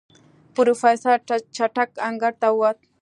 پروفيسر چټک انګړ ته ووت.